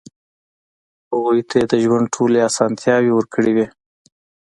هغوی ته يې د ژوند ټولې اسانتیاوې ورکړې وې.